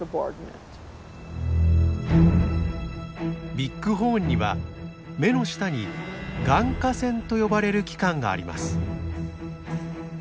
ビッグホーンには目の下に「眼下腺」と呼ばれる器官があります。